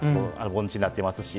盆地になっていますし。